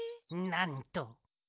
なんと。